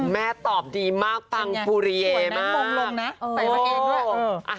แม่ตอบดีมากฟังฟูเรียมาก